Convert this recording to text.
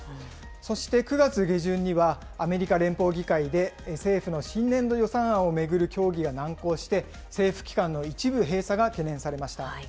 そして９月下旬には、アメリカ連邦議会で政府の新年度予算案を巡る協議が難航して、政府機関の一部閉鎖が懸念されました。